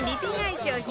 商品